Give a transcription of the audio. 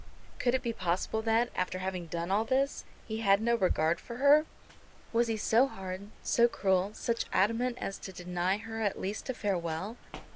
Could it be possible that, after having done all this, he had no regard for her? Was he so hard, so cruel, such adamant as to deny her at least a farewell?